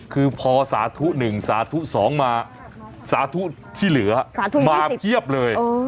คือพอสาธุหนึ่งสาธุสองมาสาธุที่เหลือมาเพียบเลยเออ